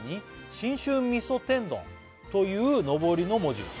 「信州みそ天丼というのぼりの文字が」